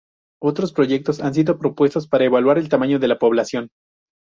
Otros proyectos han sido propuestos para evaluar el tamaño de la población.